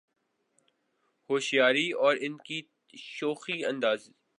ہوشیاری اور ان کی شوخی انداز